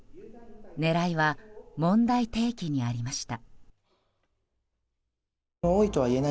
狙いは問題提起にありました。